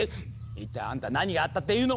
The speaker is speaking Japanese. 一体あんた何があったっていうの？